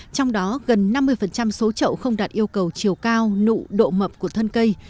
trong đó gần năm mươi số trậu không đạt yêu cầu chiều cao nụ độ mập của thân cây